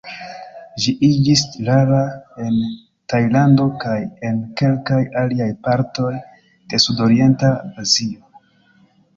Ĝi iĝis rara en Tajlando kaj en kelkaj aliaj partoj de sudorienta Azio.